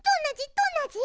どんなじ？